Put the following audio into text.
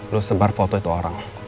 lo sebar foto itu orang